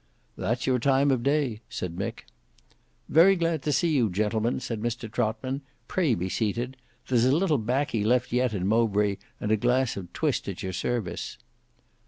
"That's your time of day," said Mick. "Very glad to see you, gentlemen," said Mr Trotman, "pray be seated. There's a little baccy left yet in Mowbray, and a glass of twist at your service."